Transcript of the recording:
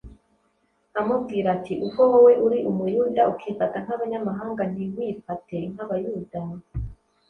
amubwira ati, “Ubwo wowe Uri Umuyuda, ukifata nk’abanyamahanga, ntiwifate nk’Abayuda,